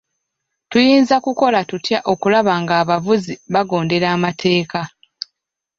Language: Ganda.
Tuyinza kukola tutya okulaba ng'abavuzi bagondera amateeka?